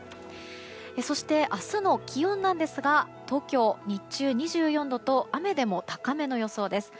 そして、明日の気温なんですが東京、日中２４度と雨でも高めの予想です。